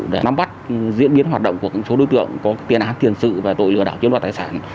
để nắm bắt diễn biến hoạt động của các số đối tượng có tiền án tiền sự và tội lừa đảo chiếm đoàn tài sản